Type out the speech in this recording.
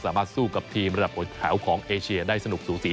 สามารถสู้กับทีมระดับหัวแถวของเอเชียได้สนุกสูสี